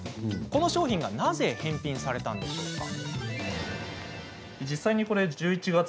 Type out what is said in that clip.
この商品がなぜ返品されたんでしょうか？